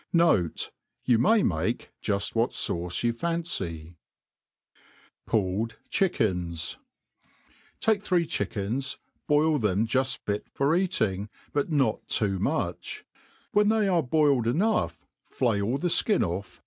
Note, You may make jufl: what fauce you fancy* Pulled Chickens., TAKE three chickens, boil them jufl fit for eating, but iKrt too much s when they are boiled enough, flay all the &in pff^ ^ y and MADE PLAIN AND EASY.